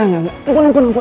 ya ampun ampun ampun